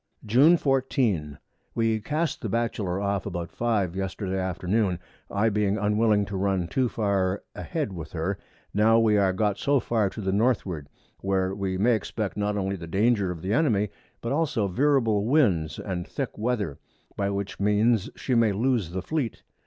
June 14. We cast the Batchelor off about 5 Yesterday Afternoon, I being unwilling to run too far a head with her, now we are got so far to the Northward, where we may expect not only the Danger of the Enemy, but also veerable Winds and thick Weather, by which means she may loose the Fleet.